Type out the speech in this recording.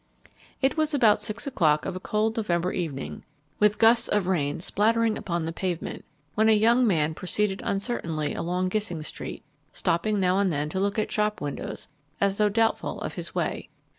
It was about six o'clock of a cold November evening, with gusts of rain splattering upon the pavement, when a young man proceeded uncertainly along Gissing Street, stopping now and then to look at shop windows as though doubtful of his way.